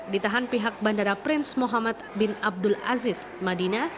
ditahan pihak bandara prins muhammad bin abdul aziz madinah